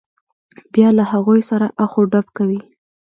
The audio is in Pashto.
بیا له هغوی سره اخ و ډب کوي.